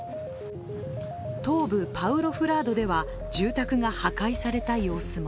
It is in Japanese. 東部パウロフラードでは住宅が破壊された様子も。